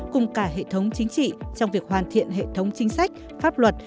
cùng cả hệ thống chính trị trong việc hoàn thiện hệ thống chính sách pháp luật